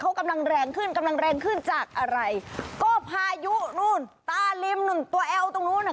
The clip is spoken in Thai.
เขากำลังแรงขึ้นกำลังแรงขึ้นจากอะไรก็พายุนู่นตาลิมนู่นตัวแอลตรงนู้นน่ะ